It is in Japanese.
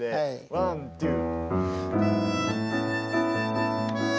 ワントゥー。